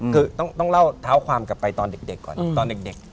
คือต้องเล่าเท้าความกลับไปตอนเด็กก่อนตอนเด็ก